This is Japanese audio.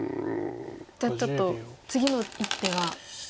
じゃあちょっと次の一手は。